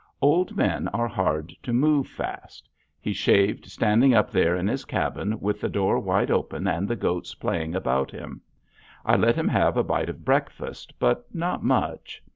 Old men are hard to move fast. He shaved standing up there in his cabin with the door wide open and the goats playing about him. I let him have a bite of breakfast, but not much.